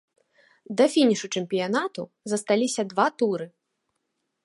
Да фінішу чэмпіянату засталіся два туры.